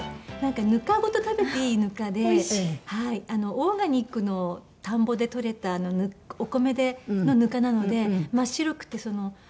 ぬかごと食べていいぬかでオーガニックの田んぼで採れたお米のぬかなので真っ白くて。